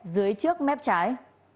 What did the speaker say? dưới trước mép trái